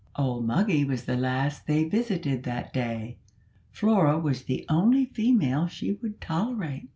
Old Moggy was the last they visited that day. Flora was the only female she would tolerate.